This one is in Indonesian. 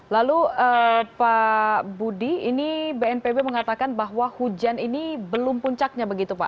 lalu pak budi ini bnpb mengatakan bahwa hujan ini belum puncaknya begitu pak